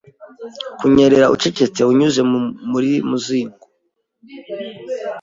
kunyerera ucecetse unyuze muri muzingo.